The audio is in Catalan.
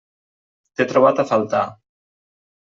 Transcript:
T'he trobat a faltar.